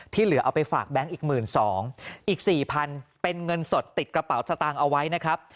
เหลือเอาไปฝากแบงค์อีก๑๒๐๐อีก๔๐๐๐เป็นเงินสดติดกระเป๋าสตางค์เอาไว้นะครับ